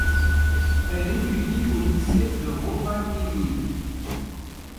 Elle étudie au lycée de Rovaniemi.